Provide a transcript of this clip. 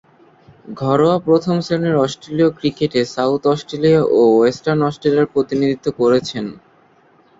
ঘরোয়া প্রথম-শ্রেণীর অস্ট্রেলীয় ক্রিকেটে সাউথ অস্ট্রেলিয়া ও ওয়েস্টার্ন অস্ট্রেলিয়ার প্রতিনিধিত্ব করেছেন।